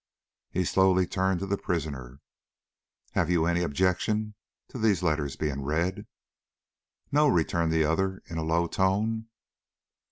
He slowly turned to the prisoner: "Have you any objection to these letters being read?" "No," returned the other, in a low tone.